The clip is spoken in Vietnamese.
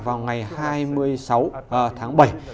vào ngày hai mươi sáu tháng bảy